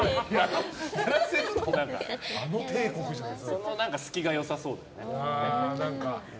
その隙が良さそうだよね。